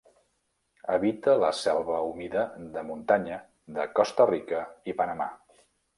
Habita la selva humida de muntanya de Costa Rica i Panamà.